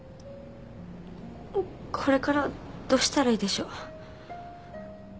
これからどうしたらいいでしょう？